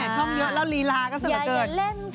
ช่องเยอะแล้วลีลาก็สำหรับเกิด